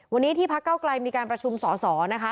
วันนี้ที่พักเก้าไกลมีการประชุมสอสอนะคะ